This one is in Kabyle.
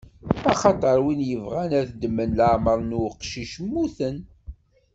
Axaṭer wid yebɣan ad ddmen leɛmeṛ n uqcic, mmuten.